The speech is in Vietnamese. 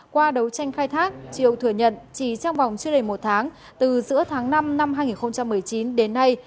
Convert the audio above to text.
qua đấu tranh khai thác triều thừa nhận chỉ trong vòng chưa đầy một tháng từ giữa tháng năm năm hai nghìn một mươi chín đến nay